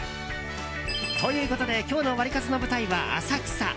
ということで今日のワリカツの舞台は浅草。